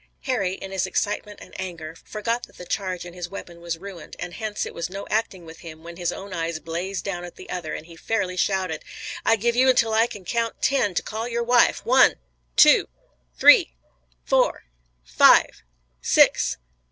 Harry, in his excitement and anger, forgot that the charge in his weapon was ruined and hence it was no acting with him when his own eyes blazed down at the other and he fairly shouted: "I give you until I can count ten to call your wife! One! two! three! four! five! six!